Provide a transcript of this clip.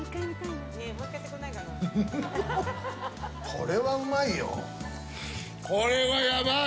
これはうまいよ。